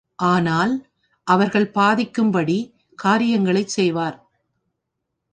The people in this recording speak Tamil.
ஆனால் அவர்கள் பாதிக்கும்படி காரியங்களைச் செய்வார்.